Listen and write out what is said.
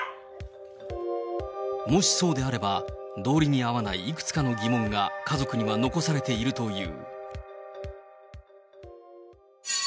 もしそうであれば、道理に合わないいくつかの疑問が家族には残されているという。